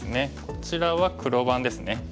こちらは黒番ですね。